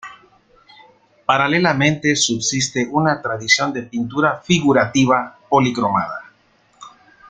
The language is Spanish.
Paralelamente subsiste una tradición de pintura figurativa policromada.